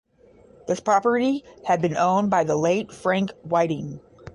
This property had been owned by the late Frank Whiting.